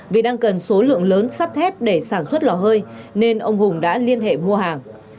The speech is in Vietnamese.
vì đang cần số lượng lớn sắt thép để sản xuất lò hơi nên ông hùng đã liên hệ mua hàng